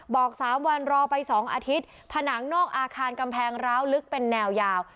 บอก๓วันรอไป๒อาทิตย์ผนังนอกอาคารกำแพงร้าวลึกเป็นแนวยาว